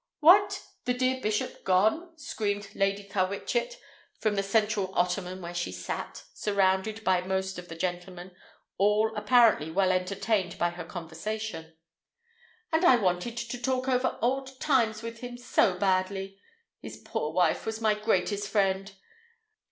"What! The dear bishop gone!" screamed Lady Carwitchet from the central ottoman where she sat, surrounded by most of the gentlemen, all apparently well entertained by her conversation. "And I wanted to talk over old times with him so badly. His poor wife was my greatest friend.